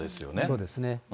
そうですね。